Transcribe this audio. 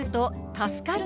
「助かる」。